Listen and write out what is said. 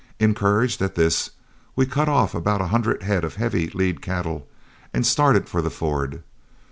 Encouraged at this, we cut off about a hundred head of heavy lead cattle and started for the ford.